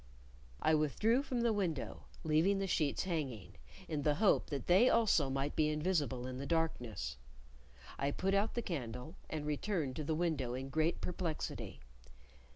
I withdrew from the window, leaving the sheets hanging, in the hope that they also might be invisible in the darkness. I put out the candle, and returned to the window in great perplexity.